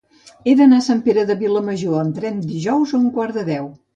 He d'anar a Sant Pere de Vilamajor amb tren dijous a un quart de deu.